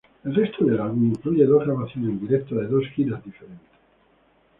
El resto del álbum incluye grabaciones en directo de dos giras diferentes.